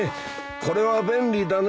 これは便利だね。